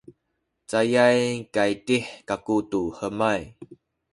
cayay kaydih kaku tu hemay